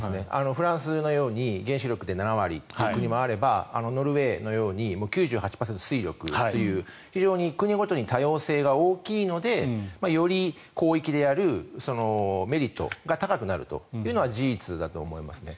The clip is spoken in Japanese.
フランスのように原子力で７割という国もあればノルウェーのように９８％水力という非常に国ごとに多様性が大きいのでより広域でやるメリットが高くなるというのが事実だと思いますね。